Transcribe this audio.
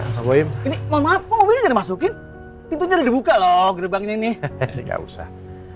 ngobain ini mau ngobain masukin itu dibuka loh gerbang ini enggak usah